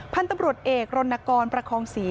พันธุ์ตำรวจเอกรณกรประคองศรี